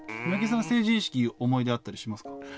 三宅さん、成人式、思い出あったりしますか？